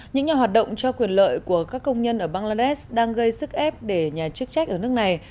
những nhà hoạt động cho quyền lợi của các công nhân ở bangladesh đang gây sức ép để nhà chức trách ở nước này